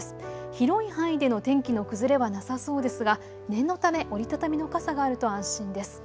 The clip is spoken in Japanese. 広い範囲での天気の崩れはなさそうですが念のため折り畳みの傘があると安心です。